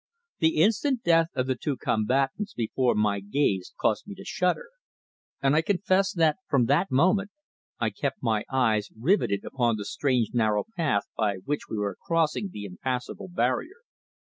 The instant death of the two combatants before my gaze caused me to shudder, and I confess that from that moment I kept my eyes rivetted upon the strange narrow path by which we were crossing the impassable barrier.